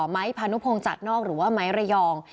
ไม้พานุพงจัดนอกหรือว่าไม้ระยอง